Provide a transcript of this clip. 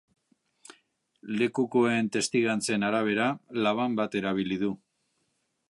Lekukoen testigantzen arabera, laban bat erabili du.